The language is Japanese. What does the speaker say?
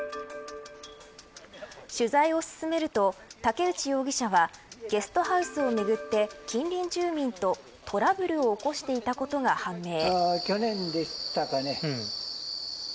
取材を進めると武内容疑者はゲストハウスをめぐって近隣住民と、トラブルを起こしていたことが判明。